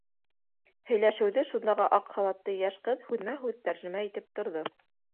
Һөйләшеүҙе шундағы аҡ халатлы йәш ҡыҙ һүҙмә-һүҙ тәржемә итеп торҙо.